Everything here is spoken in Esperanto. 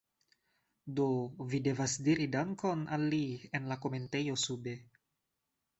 Do, vi devas diri dankon al li en la komentejo sube